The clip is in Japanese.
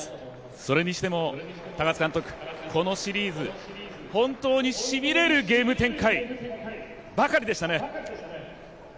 それにしても、このシリーズ、本当にしびれるゲーム展開ばかりでしたね。